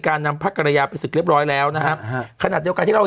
การนำพระกรยาไปศึกเรียบร้อยแล้วนะฮะขณะเดียวกันที่เรา